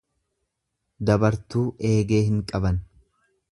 Dabartuu eegee hin qaban.